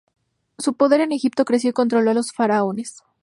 Su poder en Egipto creció y controló a los faraones.